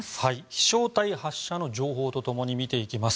飛翔体発射の情報と共に見ていきます。